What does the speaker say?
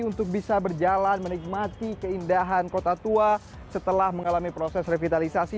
untuk bisa berjalan menikmati keindahan kota tua setelah mengalami proses revitalisasi